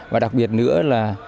và đặc biệt nữa là